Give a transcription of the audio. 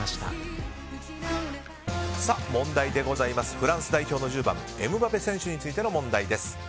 フランス代表の１０番エムバペ選手についての問題です。